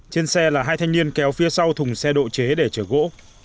trên xe là hai thanh niên kéo phía sau thùng xe độ chế để chở gỗ